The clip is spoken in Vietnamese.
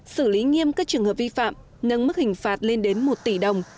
xử lý nghiêm các trường hợp vi phạm nâng mức hình phạt lên đến một tỷ đồng